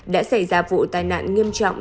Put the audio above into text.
đã xảy ra vụ tai nạn nghiêm trọng